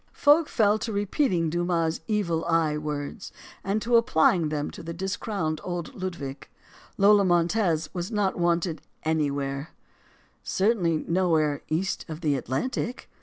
Folk fell to repeating Dumas' "evil eye" words, and to applying them to discrowned old Ludwig. Lola Montez was not wanted anywhere; certainly nowhere east of the Atlantic.